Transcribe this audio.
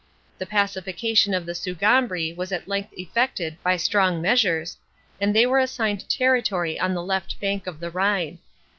The pacification of the Sugambri was at length effecti d by strong measures, and they were assigned territory <>n the left bank of the Rhine.